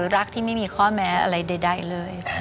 รักที่ไม่มีข้อแม้อะไรใดเลย